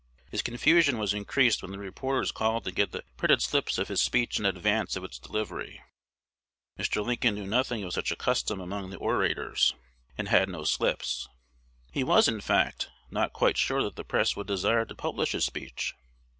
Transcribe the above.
His confusion was increased when the reporters called to get the printed slips of his speech in advance of its delivery. Mr. Lincoln knew nothing of such a custom among the orators, and had no slips. He was, in fact, not quite sure that the press would desire to publish his speech.